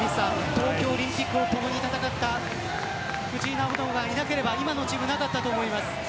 東京オリンピックを共に戦った藤井選手がいなければ今のチームなかったと思います。